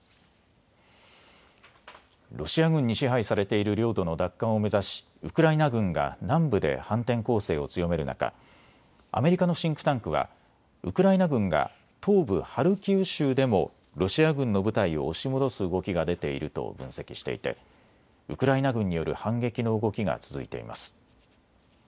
ロシア軍に支配されている領土の奪還を目指しウクライナ軍が南部で反転攻勢を強める中、アメリカのシンクタンクはウクライナ軍が東部ハルキウ州でもロシア軍の部隊を押し戻す動きが出ていると分析していてウクライナ軍による反撃の動きが続いています。